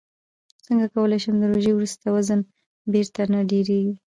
څنګه کولی شم د روژې وروسته وزن بېرته نه ډېرېږي